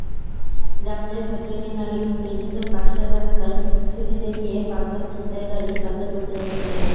রাতে ভেটেরিনারি ক্লিনিকের পাশের রাস্তায় ছুরি দেখিয়ে পাঁচজন ছিনতাইকারী তাঁদের গতিরোধ করে।